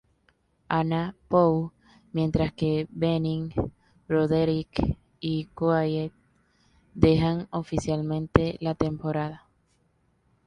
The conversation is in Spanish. Anna Pou, mientras que Bening, Broderick y Quaid dejan oficialmente la temporada.